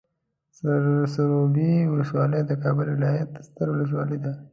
سروبي ولسوالۍ د کابل ولايت ستر ولسوالي ده.